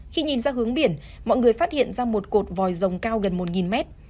khi nhìn ra hướng biển mọi người phát hiện ra một cột vòi rồng cao gần một mét